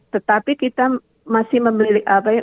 tetapi kita masih memiliki